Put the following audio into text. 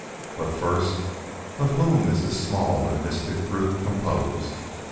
But first, of whom is this small and mystic group composed?